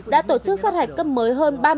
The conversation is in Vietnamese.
đã tổ chức sát hạch cấp mới hơn